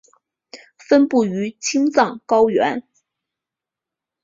分布于青藏高原。